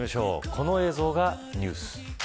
この映像がニュース。